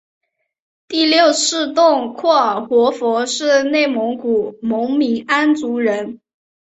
第六世洞阔尔活佛是内蒙古茂明安旗人。